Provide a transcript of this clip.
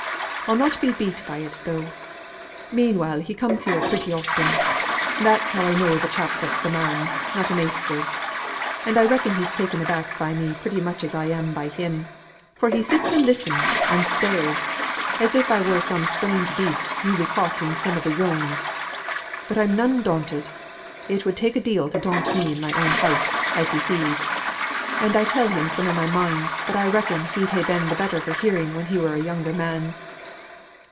I'll not be beat by it, though. Meanwhile he comes here pretty often; that's how I know the chap that's a man, not a measter. And I reckon he's taken aback by me pretty much as I am by him; for he sits and listens and stares, as if I were some strange beast newly caught in some of the zones. But I'm none daunted. It would take a deal to daunt me in my own house, as he sees. And I tell him some of my mind that I reckon he'd ha' been the better of hearing when he were a younger man."